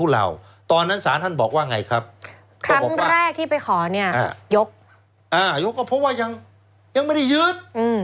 แล้วยกก็เพราะว่ายังไม่ได้ยืด